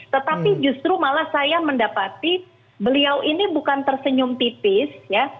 tetapi justru malah saya mendapati beliau ini bukan tersenyum tipis ya